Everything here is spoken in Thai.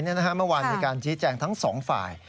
เมื่อวานมีการชี้แจงทั้งสองฝ่าย